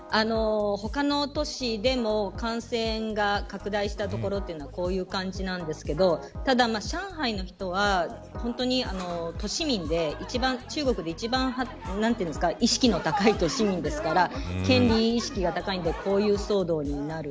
他の都市でも感染が拡大した所というのはこういう感じなんですけどただ、上海の人は都市民で、中国で一番意識の高い都市民ですから権利意識が高いのでこういう騒動になる。